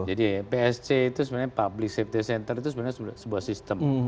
jadi psc itu sebenarnya public safety center itu sebenarnya sebuah sistem